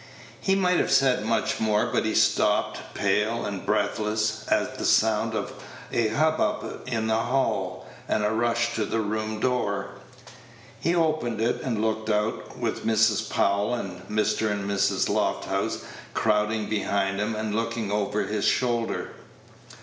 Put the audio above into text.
He might have said much more, but he stopped, pale and breathless, at the sound of a hubbub in the hall, and rushed to the room door. He opened it and looked out, with Mrs. Powell and Mr. and Mrs. Lofthouse crowding behind him and looking over his shoulder.